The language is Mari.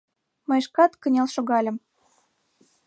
Мый шкат кынел шогальым.